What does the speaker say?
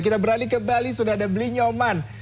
kita beralih ke bali sudah ada belinyoman